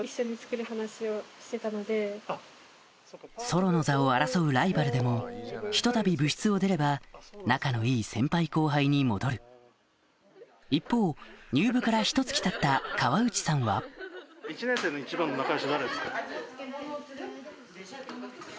ソロの座を争うライバルでもひとたび部室を出れば仲のいい先輩後輩に戻る一方入部からひと月たった川内さんは何か。